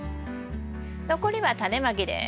残りはタネまきです。